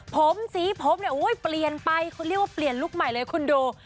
ผมสีผมเนี่ยเปลี่ยนไปเขาเรียกว่าเปลี่ยนลุคใหม่เลยคุณดู